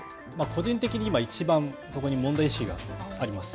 個人的に今いちばんそこに問題意識があります。